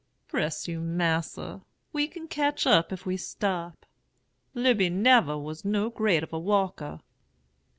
Bress you, Mas'r, we can ketch up, if we stop. Lizy nebber was no great of a walker.'